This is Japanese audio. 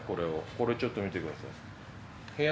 これちょっと見てください。